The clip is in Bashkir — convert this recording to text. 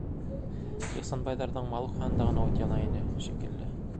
Ихсанбайҙарҙың малухаһында ғына ут яна ине, шикелле.